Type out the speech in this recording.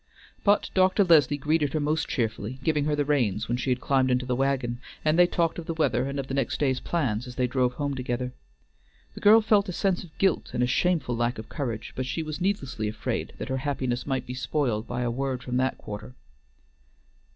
But Dr. Leslie greeted her most cheerfully, giving her the reins when she had climbed into the wagon, and they talked of the weather and of the next day's plans as they drove home together. The girl felt a sense of guilt and a shameful lack of courage, but she was needlessly afraid that her happiness might be spoiled by a word from that quarter.